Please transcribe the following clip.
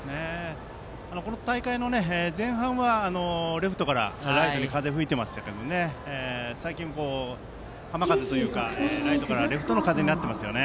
この大会の前半はレフトからライトに風が吹いていましたが最近は浜風というかライトからレフトの風になってますね。